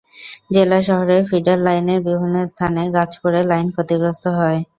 জেলা শহরের ফিডার লাইনের বিভিন্ন স্থানে গাছ পড়ে লাইন ক্ষতিগ্রস্ত হয়।